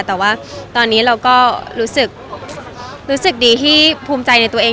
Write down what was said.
แต่ว่าตอนนี้เราก็รู้สึกดีที่ภูมิใจในตัวเอง